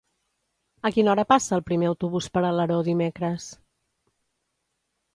A quina hora passa el primer autobús per Alaró dimecres?